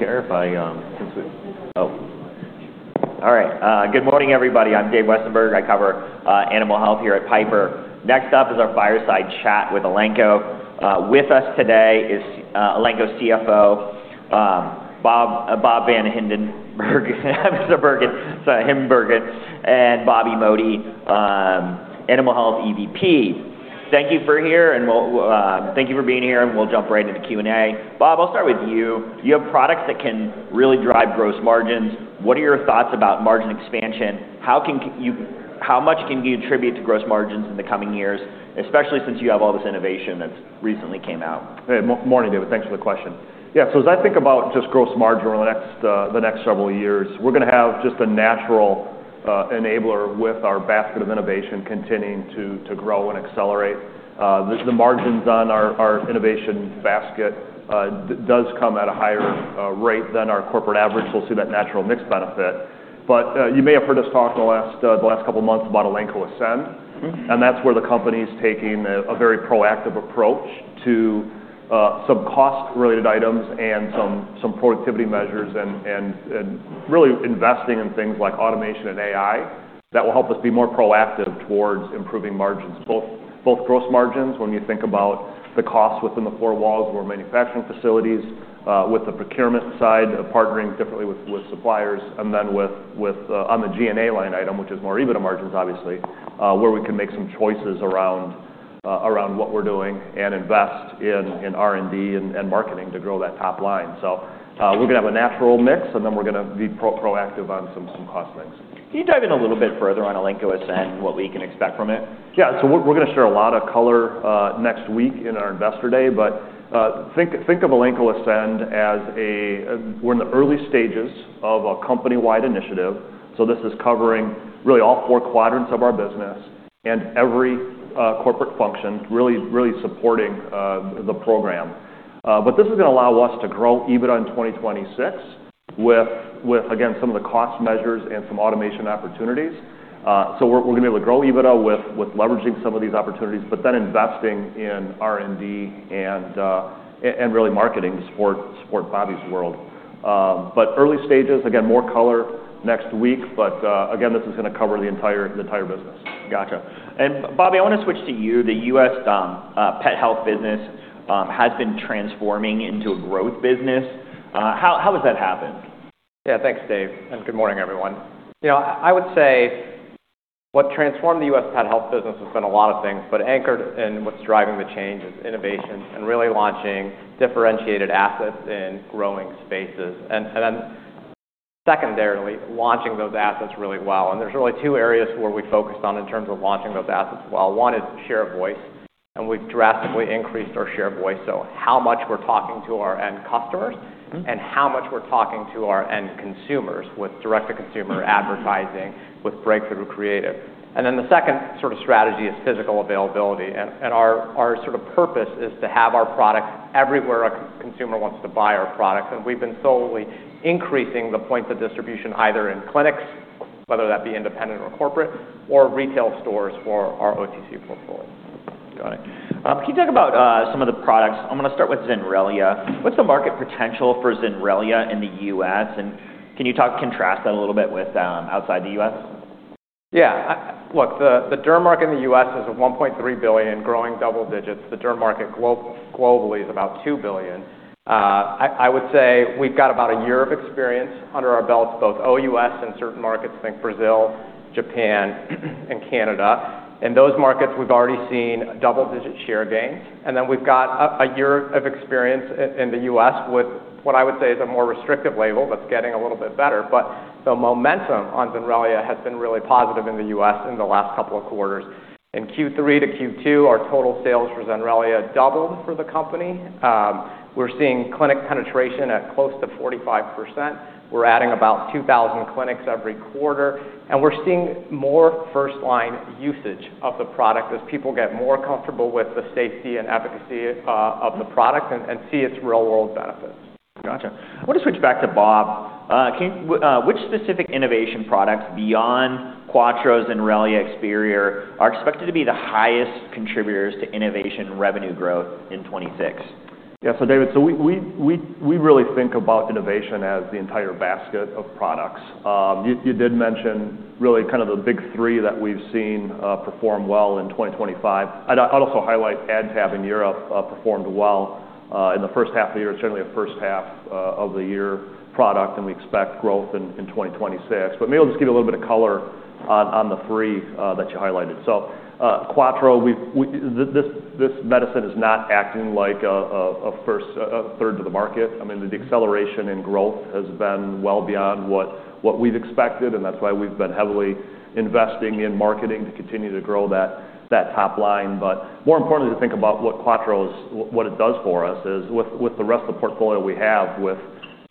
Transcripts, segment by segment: Good morning, everybody. I'm Dave Westenberg. I cover animal health here at Piper. Next up is our fireside chat with Elanco. With us today is Elanco's CFO, Bob VanHimbergen, and Bobby Modi, Animal Health EVP. Thank you for being here, and we'll jump right into Q&A. Bob, I'll start with you. You have products that can really drive gross margins. What are your thoughts about margin expansion? How much can you contribute to gross margins in the coming years, especially since you have all this innovation that's recently come out? Hey, morning, David. Thanks for the question. Yeah, so as I think about just gross margin over the next several years, we're gonna have just a natural enabler with our basket of innovation continuing to grow and accelerate. The margins on our innovation basket does come at a higher rate than our corporate average. So we'll see that natural mix benefit. But you may have heard us talk in the last couple of months about Elanco Ascend. Mm-hmm. And that's where the company's taking a very proactive approach to some cost-related items and some productivity measures and really investing in things like automation and AI that will help us be more proactive towards improving margins, both gross margins when you think about the costs within the four walls of our manufacturing facilities, with the procurement side, partnering differently with suppliers, and then on the SG&A line item, which is more even margins, obviously, where we can make some choices around what we're doing and invest in R&D and marketing to grow that top line. So, we're gonna have a natural mix, and then we're gonna be proactive on some cost things. Can you dive in a little bit further on Elanco Ascend and what we can expect from it? Yeah, so we're gonna share a lot of color next week in our investor day. But think of Elanco Ascend as we're in the early stages of a company-wide initiative. So this is covering really all four quadrants of our business and every corporate function really supporting the program. But this is gonna allow us to grow EBITDA in 2026 with again some of the cost measures and some automation opportunities. So we're gonna be able to grow EBITDA with leveraging some of these opportunities, but then investing in R&D and really marketing to support Bobby's world. But early stages, again, more color next week. But again, this is gonna cover the entire business. Gotcha. And, Bobby, I wanna switch to you. The U.S. pet health business has been transforming into a growth business. How, how has that happened? Yeah, thanks, Dave, and good morning, everyone. You know, I would say what transformed the U.S. pet health business has been a lot of things, but anchored in what's driving the change is innovation and really launching differentiated assets in growing spaces. And then secondarily, launching those assets really well. And there's really two areas where we focused on in terms of launching those assets well. One is share of voice, and we've drastically increased our share of voice. So how much we're talking to our end customers. Mm-hmm. And how much we're talking to our end consumers with direct-to-consumer advertising, with breakthrough creative. And then the second sort of strategy is physical availability. And our purpose is to have our product everywhere a consumer wants to buy our products. And we've been steadily increasing the points of distribution either in clinics, whether that be independent or corporate, or retail stores for our OTC portfolio. Got it. Can you talk about some of the products? I'm gonna start with Zenrelia. What's the market potential for Zenrelia in the U.S.? And can you talk, contrast that a little bit with outside the US? Yeah, I look, the derm market in the US is at $1.3 billion, growing double digits. The derm market globally is about $2 billion. I would say we've got about a year of experience under our belts, both OUS and certain markets like Brazil, Japan, and Canada. In those markets, we've already seen double-digit share gains. And then we've got a year of experience in the US with what I would say is a more restrictive label that's getting a little bit better. But the momentum on Zenrelia has been really positive in the US in the last couple of quarters. In Q3 to Q2, our total sales for Zenrelia doubled for the company. We're seeing clinic penetration at close to 45%. We're adding about 2,000 clinics every quarter. We're seeing more first-line usage of the product as people get more comfortable with the safety and efficacy of the product and see its real-world benefits. Gotcha. I wanna switch back to Bob. Can you—which specific innovation products beyond Quattro Zenrelia Experior are expected to be the highest contributors to innovation revenue growth in 2026? Yeah, so David, we really think about innovation as the entire basket of products. You did mention really kind of the big three that we've seen perform well in 2025. I'd also highlight AdTab in Europe, performed well in the first half of the year, certainly a first half of the year product, and we expect growth in 2026. But maybe I'll just give you a little bit of color on the three that you highlighted. So, Quattro, this medicine is not acting like a third to the market. I mean, the acceleration in growth has been well beyond what we've expected, and that's why we've been heavily investing in marketing to continue to grow that top line. But more importantly, to think about what Quattro is, what it does for us is with the rest of the portfolio we have with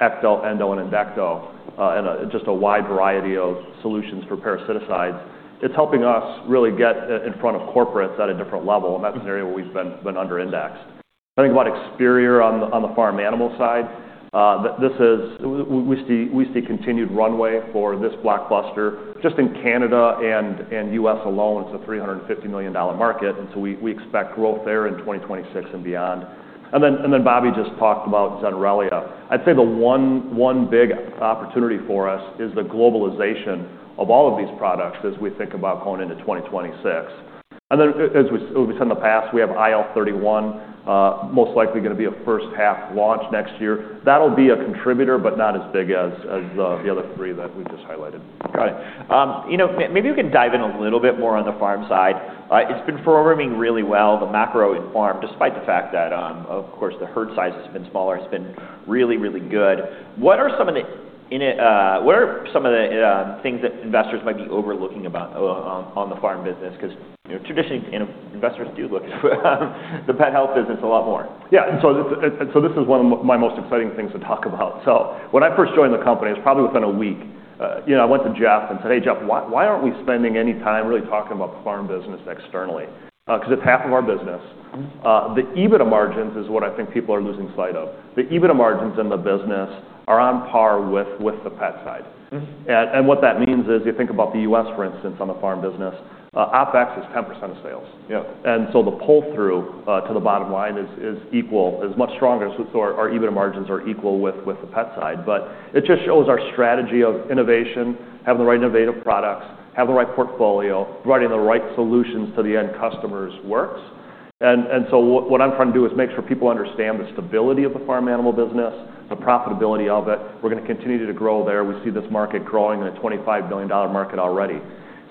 Ecto, Endo, and Endecto, and just a wide variety of solutions for parasiticides. It's helping us really get in front of corporates at a different level. And that's an area where we've been under-indexed. I think about Experior on the farm animal side. This is we see continued runway for this blockbuster. Just in Canada and U.S. alone, it's a $350 million market. And so we expect growth there in 2026 and beyond. And then Bobby just talked about Zenrelia. I'd say the one big opportunity for us is the globalization of all of these products as we think about going into 2026. As we said in the past, we have IL-31, most likely gonna be a first-half launch next year. That'll be a contributor, but not as big as the other three that we just highlighted. Got it. You know, maybe we can dive in a little bit more on the farm side. It's been performing really well, the macro in farm, despite the fact that, of course, the herd size has been smaller. It's been really, really good. What are some of the things that investors might be overlooking about on the farm business? 'Cause, you know, traditionally, you know, investors do look at the pet health business a lot more. Yeah, and so this is one of my most exciting things to talk about. So when I first joined the company, it was probably within a week. You know, I went to Jeff and said, "Hey, Jeff, why, why aren't we spending any time really talking about the farm business externally?" 'Cause it's half of our business. Mm-hmm. The EBITDA margins is what I think people are losing sight of. The EBITDA margins in the business are on par with the pet side. Mm-hmm. And what that means is you think about the U.S., for instance, on the farm business, OpEx is 10% of sales. Yeah. And so the pull-through to the bottom line is equal, much stronger. So our EBITDA margins are equal with the pet side. But it just shows our strategy of innovation, having the right innovative products, having the right portfolio, providing the right solutions to the end customer's works. And so what I'm trying to do is make sure people understand the stability of the farm animal business, the profitability of it. We're gonna continue to grow there. We see this market growing in a $25 billion market already.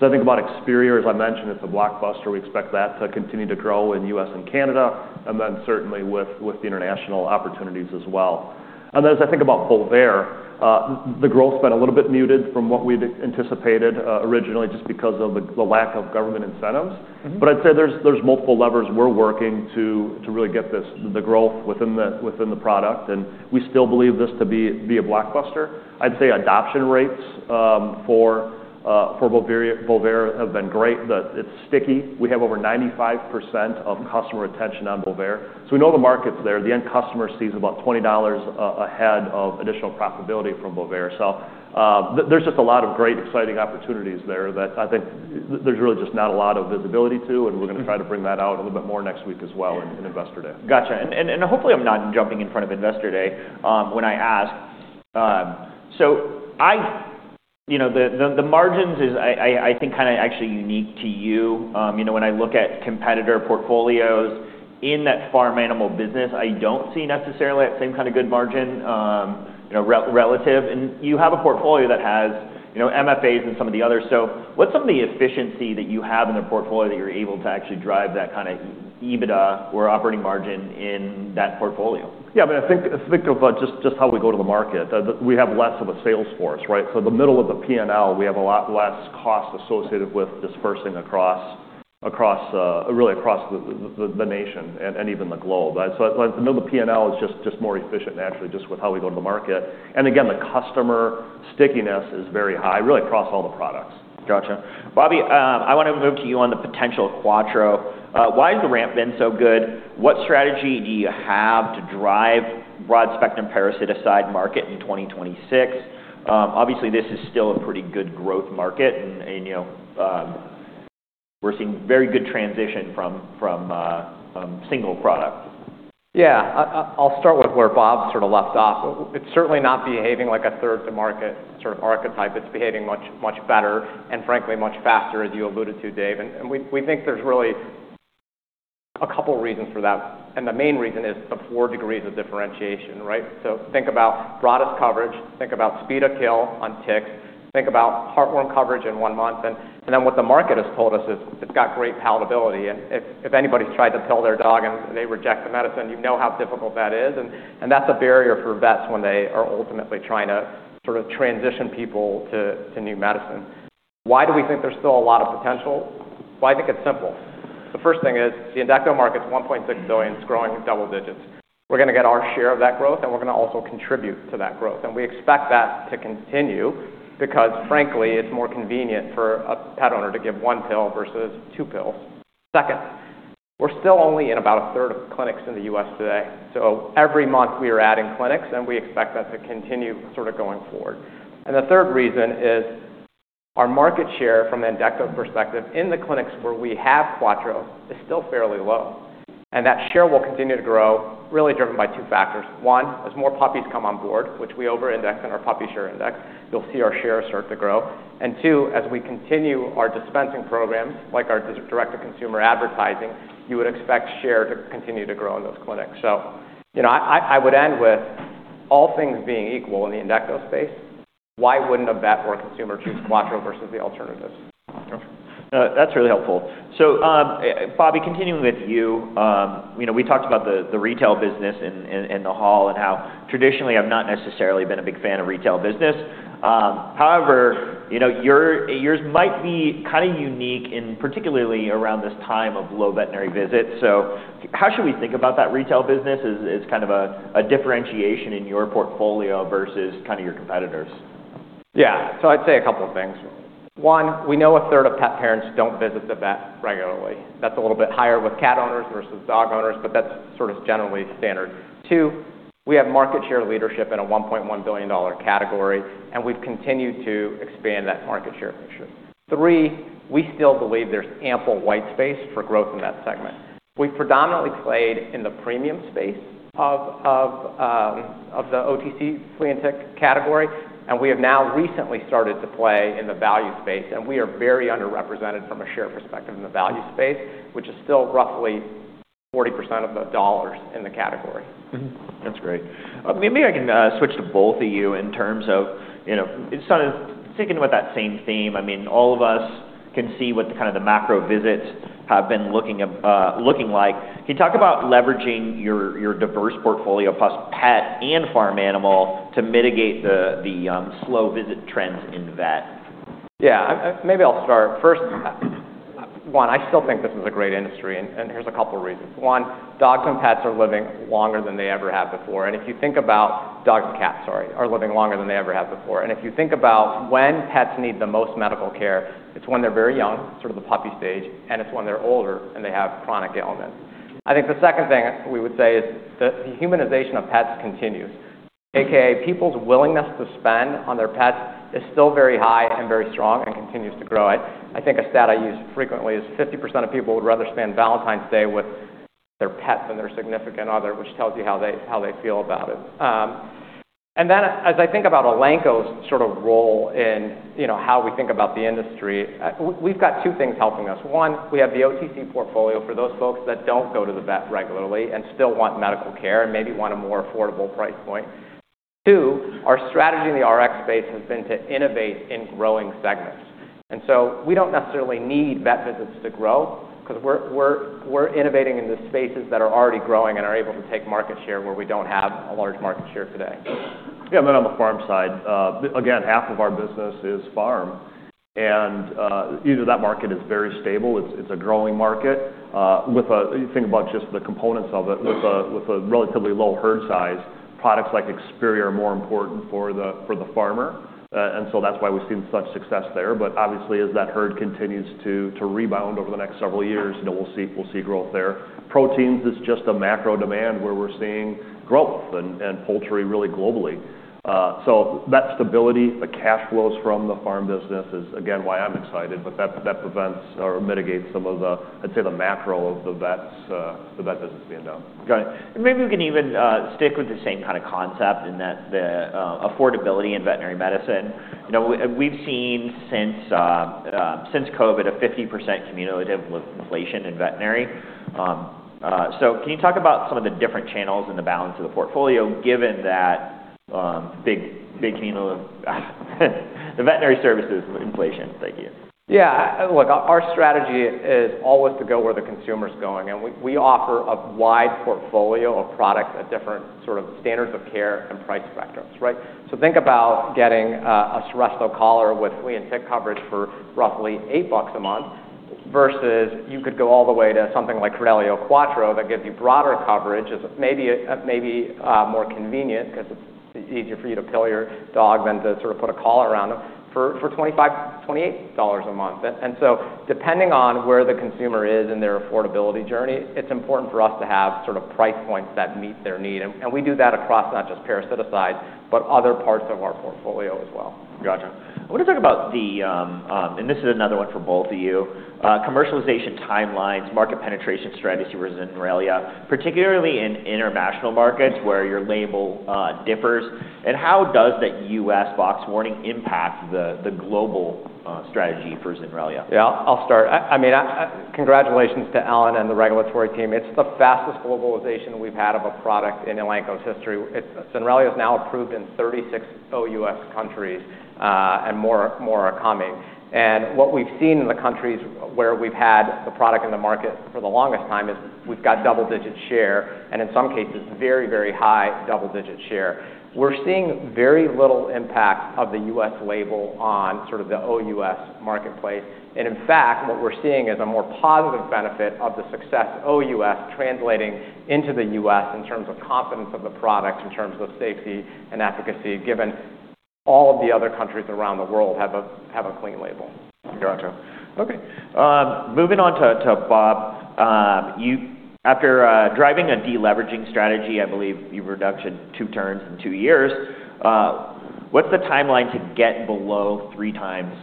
So I think about Experior, as I mentioned, it's a blockbuster. We expect that to continue to grow in U.S. and Canada, and then certainly with the international opportunities as well. As I think about Bovaer, the growth's been a little bit muted from what we'd anticipated, originally, just because of the lack of government incentives. Mm-hmm. But I'd say there's multiple levers we're working to really get this the growth within the product. And we still believe this to be a blockbuster. I'd say adoption rates for Bovaer have been great. It's sticky. We have over 95% of customer retention on Bovaer. So we know the market's there. The end customer sees about $20 ahead of additional profitability from Bovaer. So there's just a lot of great exciting opportunities there that I think there's really just not a lot of visibility to. And we're gonna try to bring that out a little bit more next week as well in investor day. Gotcha. And hopefully, I'm not jumping in front of investor day, when I ask. So I, you know, the margins is, I think kinda actually unique to you. You know, when I look at competitor portfolios in that farm animal business, I don't see necessarily that same kinda good margin, you know, relatively. And you have a portfolio that has, you know, MFAs and some of the others. So what's some of the efficiency that you have in the portfolio that you're able to actually drive that kinda EBITDA or operating margin in that portfolio? Yeah, I mean, I think of just how we go to the market. That we have less of a sales force, right? So the middle of the P&L, we have a lot less cost associated with dispersing across really across the nation and even the globe. So it's like the middle of the P&L is just more efficient naturally just with how we go to the market. And again, the customer stickiness is very high, really across all the products. Gotcha. Bobby, I wanna move to you on the potential Quattro. Why has the ramp been so good? What strategy do you have to drive broad-spectrum parasiticide market in 2026? Obviously, this is still a pretty good growth market. And, you know, we're seeing very good transition from single product. Yeah, I'll start with where Bob sort of left off. It's certainly not behaving like a third-to-market sort of archetype. It's behaving much, much better and, frankly, much faster, as you alluded to, Dave. And we think there's really a couple reasons for that. And the main reason is the four degrees of differentiation, right? So think about broadest coverage. Think about speed of kill on ticks. Think about heartworm coverage in one month. And then what the market has told us is it's got great palatability. And if anybody's tried to pill their dog and they reject the medicine, you know how difficult that is. And that's a barrier for vets when they are ultimately trying to sort of transition people to new medicine. Why do we think there's still a lot of potential? I think it's simple. The first thing is the endectocide market's $1.6 billion, it's growing double digits. We're gonna get our share of that growth, and we're gonna also contribute to that growth. And we expect that to continue because, frankly, it's more convenient for a pet owner to give one pill versus two pills. Second, we're still only in about a third of clinics in the U.S. today. So every month, we are adding clinics, and we expect that to continue sort of going forward. And the third reason is our market share from endectocide perspective in the clinics where we have Quattro is still fairly low. And that share will continue to grow, really driven by two factors. One, as more puppies come on board, which we over-index in our puppy share index, you'll see our share start to grow. And two, as we continue our dispensing programs, like our direct-to-consumer advertising, you would expect share to continue to grow in those clinics. So, you know, I would end with all things being equal in the Endecto space, why wouldn't a vet or a consumer choose Quattro versus the alternatives? Gotcha. That's really helpful. So, and Bobby, continuing with you, you know, we talked about the retail business in the hall and how traditionally, I've not necessarily been a big fan of retail business. However, you know, yours might be kinda unique and particularly around this time of low veterinary visits. So how should we think about that retail business as kind of a differentiation in your portfolio versus kinda your competitors? Yeah, so I'd say a couple of things. One, we know a third of pet parents don't visit the vet regularly. That's a little bit higher with cat owners versus dog owners, but that's sort of generally standard. Two, we have market share leadership in a $1.1 billion category, and we've continued to expand that market share picture. Three, we still believe there's ample white space for growth in that segment. We've predominantly played in the premium space of the OTC flea and tick category, and we have now recently started to play in the value space, and we are very underrepresented from a share perspective in the value space, which is still roughly 40% of the dollars in the category. Mm-hmm. That's great. Maybe I can switch to both of you in terms of, you know, it's sort of sticking with that same theme. I mean, all of us can see what the kind of the macro visits have been looking like. Can you talk about leveraging your diverse portfolio plus pet and farm animal to mitigate the slow visit trends in vet? Yeah, I maybe I'll start. First, one, I still think this is a great industry. And here's a couple reasons. One, dogs and pets are living longer than they ever have before. And if you think about dogs and cats, sorry, are living longer than they ever have before. And if you think about when pets need the most medical care, it's when they're very young, sort of the puppy stage, and it's when they're older and they have chronic ailments. I think the second thing we would say is the humanization of pets continues, aka people's willingness to spend on their pets is still very high and very strong and continues to grow it. I think a stat I use frequently is 50% of people would rather spend Valentine's Day with their pets than their significant other, which tells you how they feel about it. And then as I think about Elanco's sort of role in, you know, how we think about the industry, we've got two things helping us. One, we have the OTC portfolio for those folks that don't go to the vet regularly and still want medical care and maybe want a more affordable price point. Two, our strategy in the RX space has been to innovate in growing segments. And so we don't necessarily need vet visits to grow 'cause we're innovating in the spaces that are already growing and are able to take market share where we don't have a large market share today. Yeah, and then on the farm side, again, half of our business is farm. And that market is very stable. It's a growing market, when you think about just the components of it. With a relatively low herd size, products like Experior are more important for the farmer. And so that's why we've seen such success there. But obviously, as that herd continues to rebound over the next several years, you know, we'll see growth there. Proteins is just a macro demand where we're seeing growth and poultry really globally. So that stability, the cash flows from the farm business is, again, why I'm excited. But that prevents or mitigates some of the, I'd say, the macro of the vet business being down. Got it. And maybe we can even stick with the same kinda concept in that the affordability in veterinary medicine. You know, we've seen since COVID a 50% cumulative inflation in veterinary. So can you talk about some of the different channels in the balance of the portfolio given that big cumulative the veterinary services inflation? Thank you. Yeah, look, our strategy is always to go where the consumer's going. And we offer a wide portfolio of products at different sort of standards of care and price spectrums, right? So think about getting a Seresto collar with flea and tick coverage for roughly $8 a month versus you could go all the way to something like Credelio Quattro that gives you broader coverage. It's maybe more convenient 'cause it's easier for you to pill your dog than to sort of put a collar around him for $25-$28 a month. And so depending on where the consumer is in their affordability journey, it's important for us to have sort of price points that meet their need. And we do that across not just parasiticide, but other parts of our portfolio as well. Gotcha. I wanna talk about the, and this is another one for both of you, commercialization timelines, market penetration strategy for Zenrelia, particularly in international markets where your label differs. And how does that US box warning impact the, the global, strategy for Zenrelia? Yeah, I'll start. I mean, congratulations to Ellen and the regulatory team. It's the fastest globalization we've had of a product in Elanco's history. It's Zenrelia is now approved in 36 OUS countries, and more are coming. And what we've seen in the countries where we've had the product in the market for the longest time is we've got double-digit share and in some cases, very, very high double-digit share. We're seeing very little impact of the US label on sort of the OUS marketplace. And in fact, what we're seeing is a more positive benefit of the success OUS translating into the US in terms of confidence of the product, in terms of safety and efficacy, given all of the other countries around the world have a clean label. Gotcha. Okay. Moving on to Bob, you after driving a deleveraging strategy, I believe you've reduced it two turns in two years. What's the timeline to get below three times?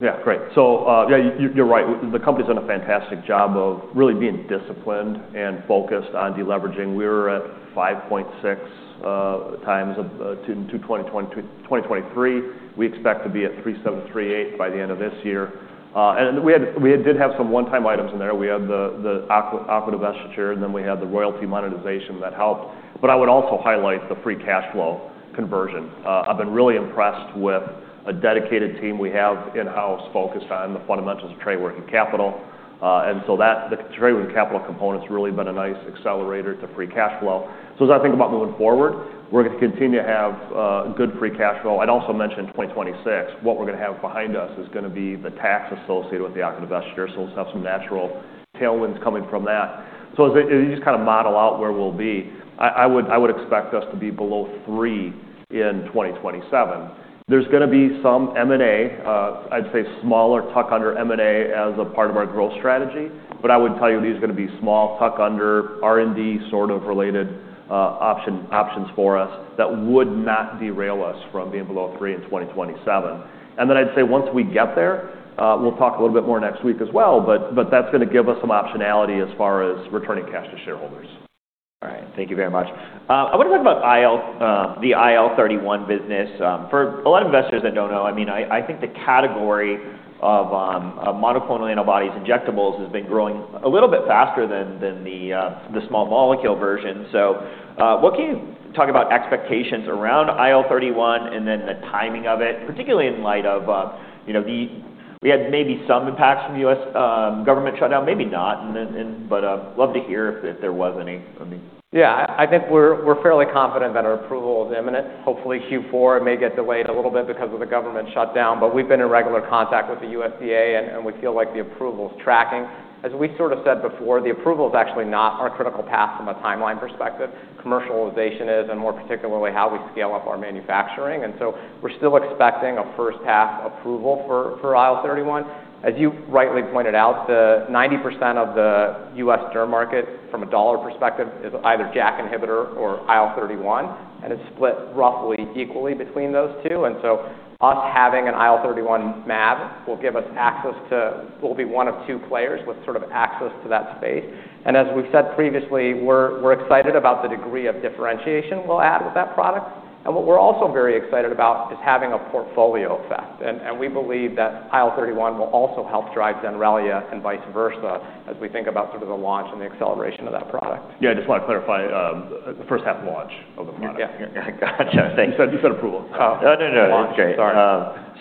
Yeah, great. So, yeah, you're right. The company's done a fantastic job of really being disciplined and focused on deleveraging. We were at 5.6 times from 2020 to 2023. We expect to be at 3.738 by the end of this year. Then we had some one-time items in there. We had the aqua divestiture, and then we had the royalty monetization that helped. But I would also highlight the free cash flow conversion. I've been really impressed with a dedicated team we have in-house focused on the fundamentals of trade working capital. So the trade working capital component's really been a nice accelerator to free cash flow. So as I think about moving forward, we're gonna continue to have good free cash flow. I'd also mentioned 2026. What we're gonna have behind us is gonna be the tax associated with the Aquadivestiture. So we'll have some natural tailwinds coming from that. So as you just kinda model out where we'll be, I, I would expect us to be below three in 2027. There's gonna be some M&A. I'd say smaller tuck under M&A as a part of our growth strategy. But I would tell you these are gonna be small tuck under R&D sort of related options for us that would not derail us from being below three in 2027. And then I'd say once we get there, we'll talk a little bit more next week as well. But that's gonna give us some optionality as far as returning cash to shareholders. All right. Thank you very much. I wanna talk about IL-31, the IL-31 business. For a lot of investors that don't know, I mean, I think the category of monoclonal antibodies injectables has been growing a little bit faster than the small molecule version. So, what can you talk about expectations around IL-31 and then the timing of it, particularly in light of, you know, that we had maybe some impacts from U.S. government shutdown, maybe not, and then, and but, love to hear if there was any. I mean. Yeah, I think we're fairly confident that our approval is imminent. Hopefully, Q4 may get delayed a little bit because of the government shutdown. But we've been in regular contact with the USDA, and we feel like the approval's tracking. As we sort of said before, the approval's actually not our critical path from a timeline perspective. Commercialization is, and more particularly how we scale up our manufacturing. And so we're still expecting a first-path approval for IL-31. As you rightly pointed out, the 90% of the U.S. derm market from a dollar perspective is either JAK inhibitor or IL-31, and it's split roughly equally between those two. And so us having an IL-31 mAb will give us access to, will be one of two players with sort of access to that space. And as we've said previously, we're excited about the degree of differentiation we'll add with that product. And what we're also very excited about is having a portfolio effect. And we believe that IL-31 will also help drive Zenrelia and vice versa as we think about sort of the launch and the acceleration of that product. Yeah, I just wanna clarify, the first-half launch of the product. Yeah. Gotcha. Thanks. You said approval. Oh, no, no, no. That's great. Sorry.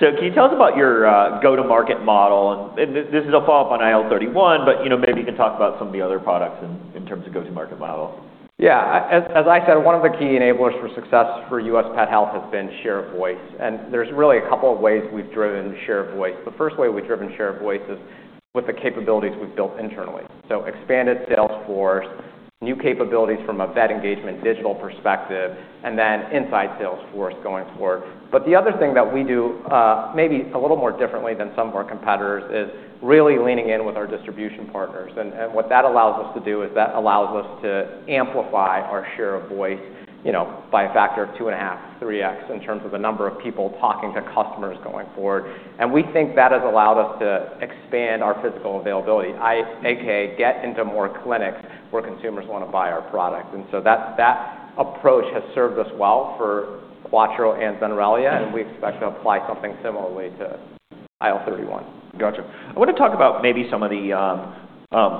So, can you tell us about your go-to-market model? And this is a follow-up on IL-31, but, you know, maybe you can talk about some of the other products in terms of go-to-market model. Yeah, as I said, one of the key enablers for success for US Pet Health has been Share of Voice. And there's really a couple of ways we've driven Share of Voice. The first way we've driven Share of Voice is with the capabilities we've built internally. So expanded Salesforce, new capabilities from a vet engagement digital perspective, and then inside Salesforce going forward. But the other thing that we do, maybe a little more differently than some of our competitors is really leaning in with our distribution partners. And what that allows us to do is that allows us to amplify our Share of Voice, you know, by a factor of two and a half, three X in terms of the number of people talking to customers going forward. We think that has allowed us to expand our physical availability, get into more clinics where consumers wanna buy our product. That approach has served us well for Quattro and Zenrelia, and we expect to apply something similarly to IL-31. Gotcha. I wanna talk about maybe some of the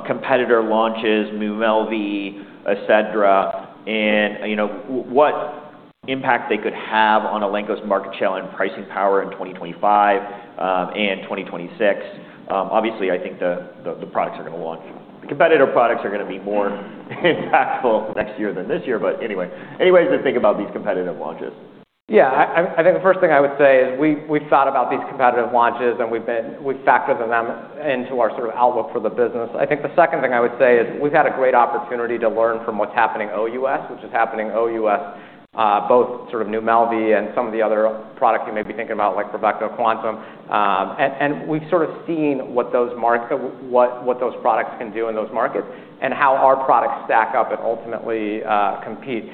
competitor launches, Mumelvy, etc., and you know what impact they could have on Elanco's market share and pricing power in 2025 and 2026. Obviously, I think the products are gonna launch. The competitor products are gonna be more impactful next year than this year. But anyway, any ways to think about these competitive launches? Yeah, I think the first thing I would say is we've thought about these competitive launches, and we've factored them into our sort of outlook for the business. I think the second thing I would say is we've had a great opportunity to learn from what's happening OUS, both sort of Mumelvy and some of the other products you may be thinking about like Bravecto Quantum. And we've sort of seen what those products can do in those markets and how our products stack up and ultimately compete.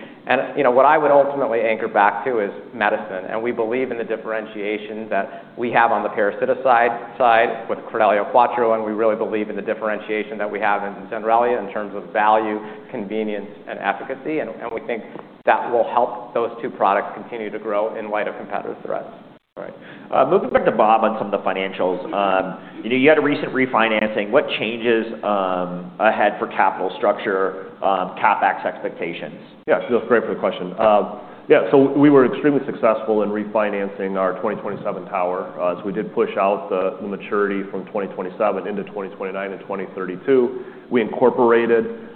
You know, what I would ultimately anchor back to is medicine. We believe in the differentiation that we have on the parasiticide side with Credelio Quattro, and we really believe in the differentiation that we have in Zenrelia in terms of value, convenience, and efficacy. We think that will help those two products continue to grow in light of competitive threats. All right. Moving back to Bob on some of the financials. You know, you had a recent refinancing. What changes ahead for capital structure, CapEx expectations? Yeah, that's great for the question. Yeah, so we were extremely successful in refinancing our 2027 tower. So we did push out the maturity from 2027 into 2029 and 2032. We incorporated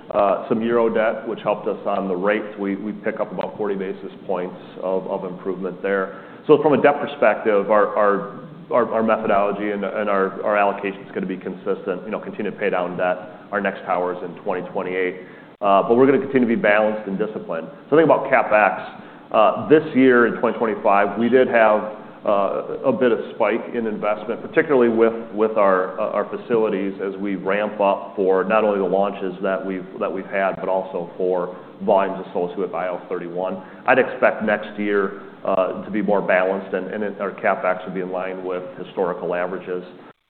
some euro debt, which helped us on the rates. We pick up about 40 basis points of improvement there. So from a debt perspective, our methodology and our allocation's gonna be consistent, you know, continue to pay down debt. Our next tower's in 2028. But we're gonna continue to be balanced and disciplined. So think about CapEx. This year in 2025, we did have a bit of spike in investment, particularly with our facilities as we ramp up for not only the launches that we've had, but also for volumes associated with IL-31. I'd expect next year to be more balanced and our CapEx will be in line with historical averages.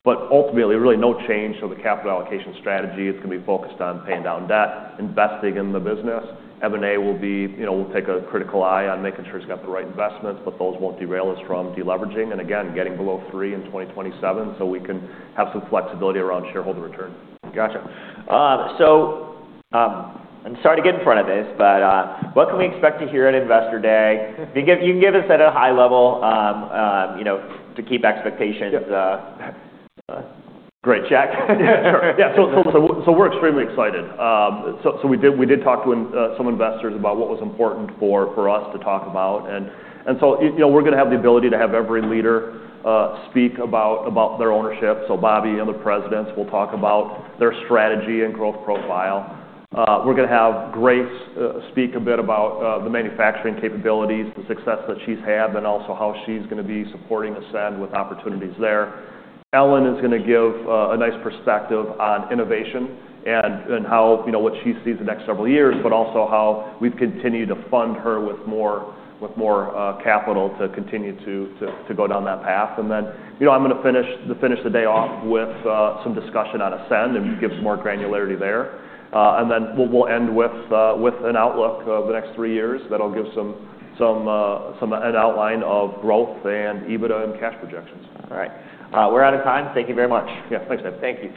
But ultimately, really no change to the capital allocation strategy. It's gonna be focused on paying down debt, investing in the business. M&A will be, you know, we'll take a critical eye on making sure it's got the right investments, but those won't derail us from deleveraging and, again, getting below three in 2027 so we can have some flexibility around shareholder return. Gotcha. So, I'm sorry to get in front of this, but what can we expect to hear at Investor Day? You can give us at a high level, you know, to keep expectations. Yeah. Great, Dave. Yeah, sure. Yeah, so we're extremely excited. So we did talk to some investors about what was important for us to talk about. And so, you know, we're gonna have the ability to have every leader speak about their ownership. So Bobby and the presidents will talk about their strategy and growth profile. We're gonna have Grace speak a bit about the manufacturing capabilities, the success that she's had, and also how she's gonna be supporting Ascend with opportunities there. Ellen is gonna give a nice perspective on innovation and how, you know, what she sees the next several years, but also how we've continued to fund her with more capital to continue to go down that path. And then, you know, I'm gonna finish the day off with some discussion on Ascend and give some more granularity there. Then we'll end with an outlook of the next three years that'll give some an outline of growth and EBITDA and cash projections. All right. We're out of time. Thank you very much. Yeah, thanks, Dave. Thank you.